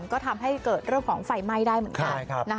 ก็ทำให้เกิดเรื่องของไฟไหม้ได้เหมือนกัน